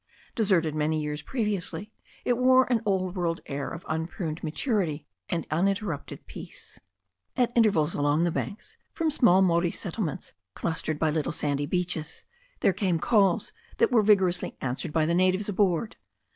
Deserted many years previously, it wore an old world air of unpruned maturity and uninter rupted peace. At intervals along the banks, from small Maori settle ments clustering by little sandy beaches, there came calls that were vigorously answered by the natives aboard.